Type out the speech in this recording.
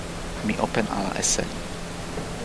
mi open ala e seli.